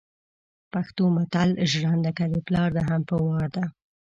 پښتو متل ژرنده که دپلار ده هم په وار ده